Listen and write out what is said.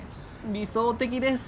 理想的です！